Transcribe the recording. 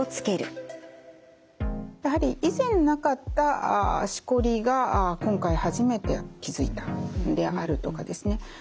やはり以前なかったしこりが今回初めて気づいたであるとかですね